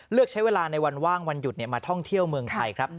เลือกใช้เวลาในวันว่างวันหยุดมาท่องเที่ยวเมืองไทยครับ